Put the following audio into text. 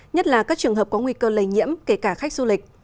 nhất là các trường hợp có nguy cơ lây nhiễm kể cả khách du lịch